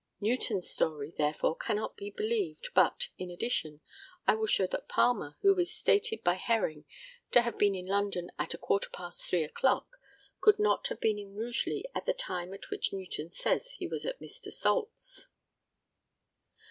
Newton's story, therefore, cannot be believed, but, in addition, I will show that Palmer, who is stated by Herring to have been in London at a quarter past 3 o'clock, could not have been in Rugeley at the time at which Newton says he was at Mr. Salt's.